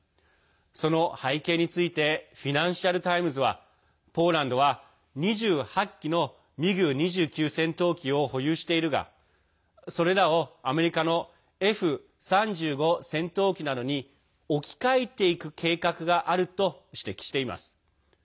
その背景についてフィナンシャル・タイムズはポーランドは２８機のミグ２９戦闘機を保有しているがそれらをアメリカのＦ３５戦闘機などに置き換えていく計画があると指摘しています。